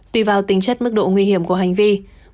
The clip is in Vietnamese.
tuy vào tính chất mức độ nguy hiểm của hành vi này